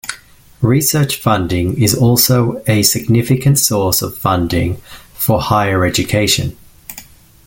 Research funding is also a significant source of funding for higher education.